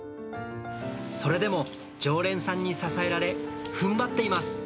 それでも常連さんに支えられ、ふんばっています。